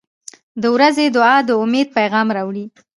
• د ورځې دعا د امید پیغام راوړي.